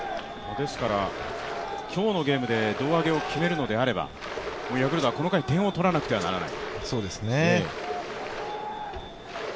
ですから今日のゲームで胴上げを決めるのであればヤクルトはこの回、点を取らなければならない。